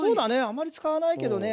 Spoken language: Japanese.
あまり使わないけどね。